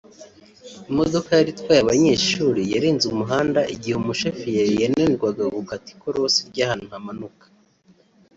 imodoka yari itwaye abanyeshuri yarenze umuhanda igihe umushoferi yananirwaga gukata ikorosi ry’ahantu hamanuka